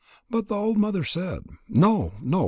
But the old mother said: "No, no.